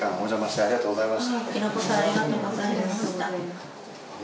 ありがとうございます。